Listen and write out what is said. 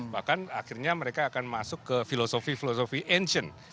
bahkan akhirnya mereka akan masuk ke filosofi filosofi ancient